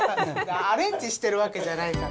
アレンジしてるわけじゃないから。